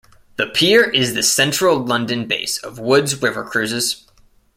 The pier is the central London base of Woods River Cruises.